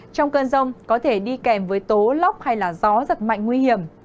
trong cơn rông có thể đi kèm với tố lốc hay gió giật mạnh nguy hiểm